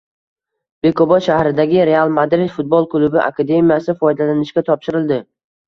Bekobod shahridagi "Real Madrid” futbol klubi akademiyasi foydalanishga topshirildi